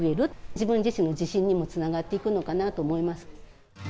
自分自身の自信にもつながっていくのかなと思います。